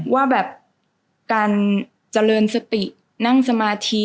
ว่าแบบการเจริญสตินั่งสมาธิ